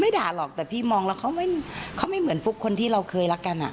ด่าหรอกแต่พี่มองแล้วเขาไม่เหมือนฟุ๊กคนที่เราเคยรักกัน